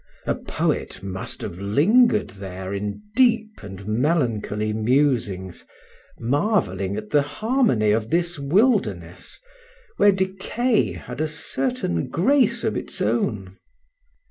A poet must have lingered there in deep and melancholy musings, marveling at the harmony of this wilderness, where decay had a certain grace of its own.